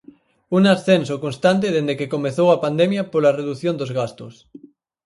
Un ascenso constante dende que comezou a pandemia pola redución dos gastos.